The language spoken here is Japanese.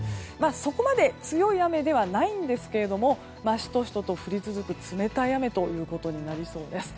そこまで強い雨ではないんですけれどもしとしとと降り続く冷たい雨となりそうです。